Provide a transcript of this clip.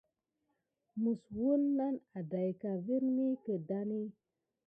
Məs wouna nà aɗaïka virmi keɗani.